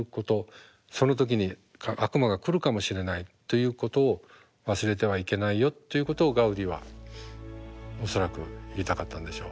その時に悪魔が来るかもしれないということを忘れてはいけないよということをガウディは恐らく言いたかったんでしょう。